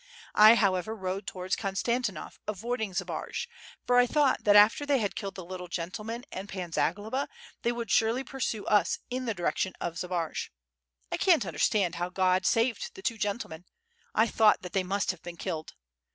I, however, rode towards Konstantinov, avoiding Zbaraj; for I thought that after they had killed the little gentleman and Pan Zagloba, they would surely pursue us in the direction of Zbaraj. I can't understand how God saved the two gentlemen. ... I thought that they must have been killed.